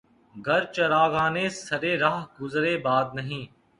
گر چراغانِ سرِ رہ گزرِ باد نہیں